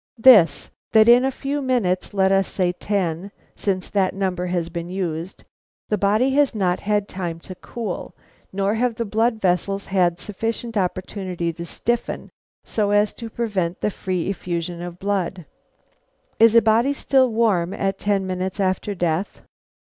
"This; that in a few minutes, let us say ten, since that number has been used, the body has not had time to cool, nor have the blood vessels had sufficient opportunity to stiffen so as to prevent the free effusion of blood." "Is a body still warm at ten minutes after death?"